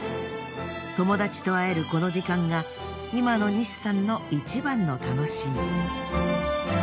友達と会えるこの時間が今の西さんの一番の楽しみ。